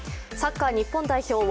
サッカー日本代表